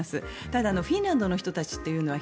ただフィンランドの人たちというのは